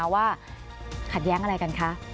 ว่าขัดแย้งอะไรกันคะ